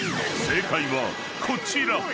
［正解はこちら］